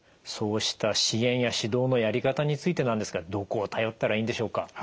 そうした支援や指導のやり方についてなんですがどこを頼ったらいいんでしょうか？